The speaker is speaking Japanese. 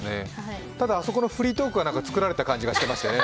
ただあそこのフリートークは作られた感じがしましたね。